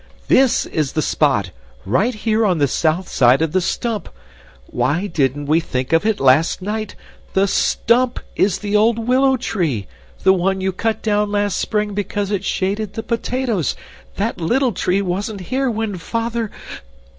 THIS is the spot right here on the south side of the stump. Why didn't we think of it last night? THE STUMP is the old willow tree the one you cut down last spring because it shaded the potatoes. That little tree wasn't here when Father...